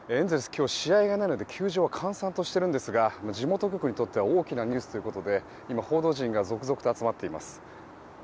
今日は試合がないので球場は閑散としているんですが地元局にとっては大きなニュースということで今、報道陣が続々と集まっています。